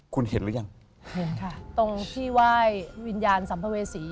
คุณเห็นหรือยังเห็นค่ะตรงที่ไหว้วิญญาณสัมภเวษี